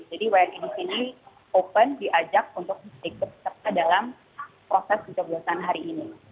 jadi wni di sini open diajak untuk berikut serta dalam proses pendaftaran hari ini